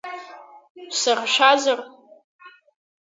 Саршәазар?